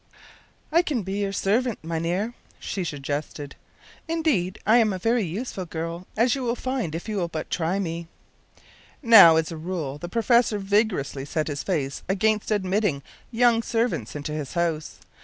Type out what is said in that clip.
“I can be your servant, mynheer,” she suggested. “Indeed, I am a very useful girl, as you will find if you will but try me.” Now, as a rule, the professor vigorously set his face against admitting young servants into his house.